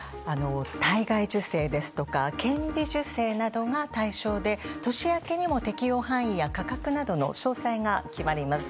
体外受精ですとか顕微授精などが対象で年明けにも適用範囲や価格などの詳細が決まります。